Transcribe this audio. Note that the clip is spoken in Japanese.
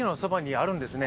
あるんですね。